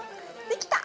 できた。